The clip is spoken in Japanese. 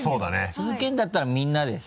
続けるんだったらみんなでさ。